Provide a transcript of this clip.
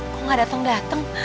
kok gak dateng dateng